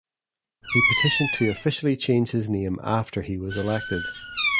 He petitioned to officially change his name after he was elected.